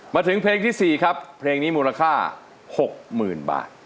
มาถึงเพลงที่๔ครับเพลงนี้มูลค่า๖๐๐๐บาท